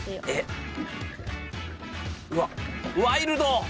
わっワイルド！